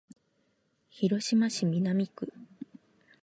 広島市南区